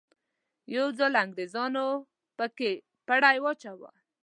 یو ځل انګریزانو په کې پړی واچاوه.